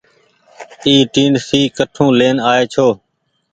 اي ٽيڻسي ڪٺون لين آئي ڇو۔